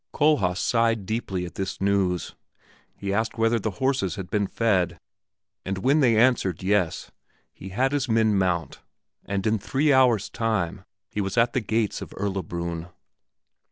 Kohlhaas sighed deeply at this news; he asked whether the horses had been fed, and when they answered "Yes," he had his men mount, and in three hours' time he was at the gates of Erlabrunn.